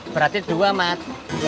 berarti dua mat